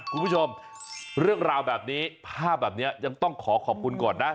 คุณผู้ชมเรื่องราวแบบนี้ภาพแบบนี้ยังต้องขอขอบคุณก่อนนะ